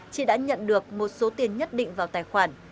chị đã nhận được một số tiền nhất định vào tài khoản